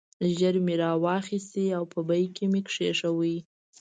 ژر مې را واخیست او په بیک کې مې کېښود.